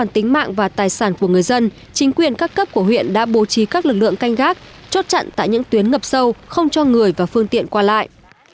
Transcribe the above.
các lực lượng canh gác đã bố trí các lực lượng canh gác chốt chặn tại những tuyến ngập sâu không cho người và phương tiện qua lại